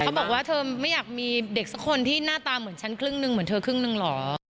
บอกว่าเธอไม่อยากมีเด็กสักคนที่หน้าตาเหมือนฉันครึ่งหนึ่งเหมือนเธอครึ่งหนึ่งเหรอ